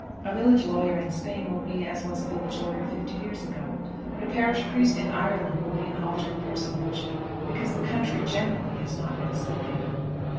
A village lawyer in Spain will be as was a village lawyer fifty years ago. But a parish priest in Ireland will be an altered personage, because the country generally has not been sleeping.